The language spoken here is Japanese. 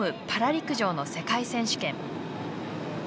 陸上の世界選手権。